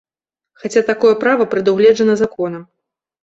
Хаця такое права прадугледжана законам.